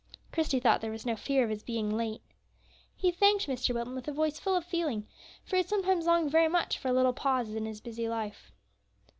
Christie thought there was no fear of his being late. He thanked Mr. Wilton with a voice full of feeling, for he had sometimes longed very much for a little pause in his busy life.